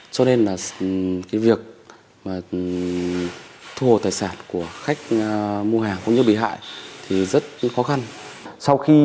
cho nên việc thu hồ tài sản của khách mua hàng